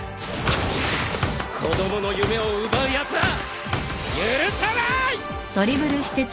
子供の夢を奪うやつは許さない！